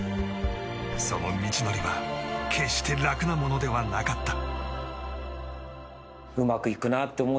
その道のりは決して楽なものではなかった。